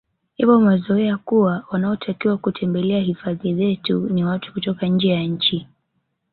Yapo mazoea kuwa wanaotakiwa kutembelea hifadhi zetu ni watu kutoka nje ya nchi